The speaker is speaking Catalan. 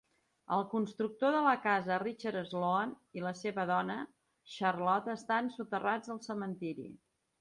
El constructor de la casa, Richard Sloan, i la seva dona, Charlotte estan soterrats al cementiri.